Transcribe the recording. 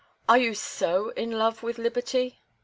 "Are you so in love with liberty?"